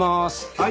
はい。